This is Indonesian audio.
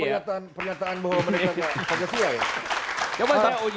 kenapa ada pernyataan bahwa mereka pancasila ya